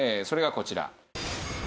それがこちら。